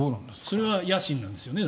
それは野心なんですよね。